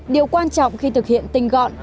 điều quan trọng khi thực hiện tinh gọn